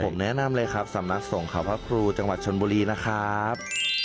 ผมแนะนำเลยครับสำนักส่งเขาพระครูจังหวัดชนบุรีนะครับ